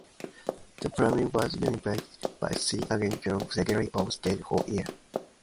The plaque was unveiled by Sir Archibald Sinclair, the Secretary of State for Air.